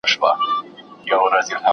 ¬ بې گودره چي گډېږي، خود بې سيند وړي.